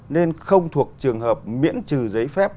nên không thuộc trường hợp miễn trừ giấy phép